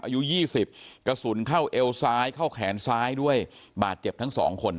อายุ๒๐กระสุนเข้าเอวซ้ายเข้าแขนซ้ายด้วยบาดเจ็บทั้งสองคน